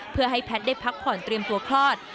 เพื่อให้แพทย์ได้พักผ่อนเตรียมตัวคลอด